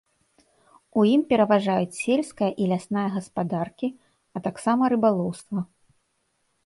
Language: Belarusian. У ім пераважаюць сельскае і лясное гаспадаркі, а таксама рыбалоўства.